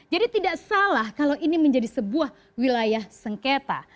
jadi tidak salah kalau ini menjadi sebuah wilayah sengketa